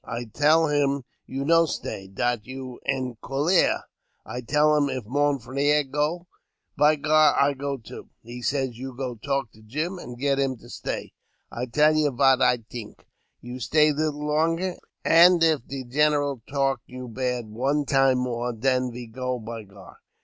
I tell him you no stay ; dat you en colere. I tell him if mon frere go, by gar, I go too. He say, you go talk to Jim, and get him stay. I tell you vat I tink. You stay leetle longer, and if de general talk you bad one time more, den ve go, by gar.